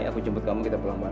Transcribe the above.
aku jemput kamu kita pulang malam